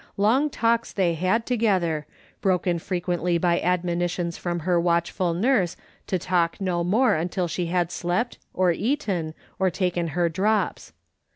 Long talks they had together, broken frequently by admonitions from her watchful nurse to talk no more until she had slept, or eaten, or taken her drops.